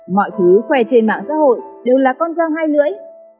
mọi thứ khoe trên mạng xã hội đều là con răng hai lưỡi